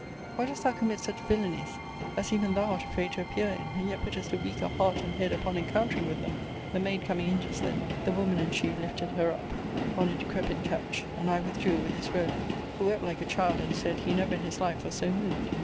Why dost thou commit such villanies, as even thou art afraid to appear in; and yet puttest a weaker heart and head upon encountering with them? The maid coming in just then, the woman and she lifted her up on a decrepit couch; and I withdrew with this Rowland; who wept like a child, and said, he never in his life was so moved.